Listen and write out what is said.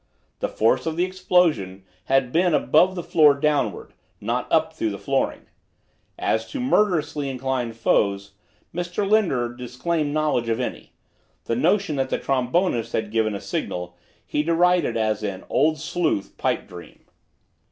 The force of the explosion had been from above the floor downward; not up through the flooring. As to murderously inclined foes, Mr. Linder disclaimed knowledge of any. The notion that the trombonist had given a signal he derided as an "Old Sleuth pipe dream."